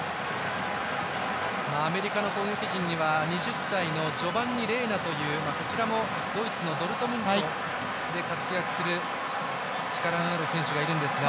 アメリカの攻撃陣には２０歳のジョバンニ・レイナというドイツのドルトムントで活躍する力のある選手がいるんですが。